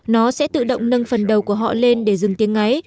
nó sẽ tự động nâng phần đầu của họ lên để dừng tiếng nói